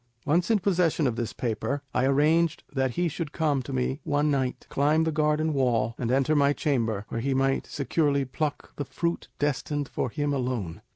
Once in possession of this paper, I arranged that he should come to me one night, climb the garden wall, and enter my chamber, where he might securely pluck the fruit destined for him alone.